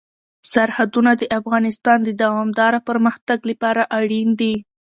سرحدونه د افغانستان د دوامداره پرمختګ لپاره اړین دي.